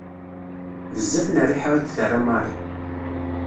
Bezzaf n rriḥa i d-terra Marie.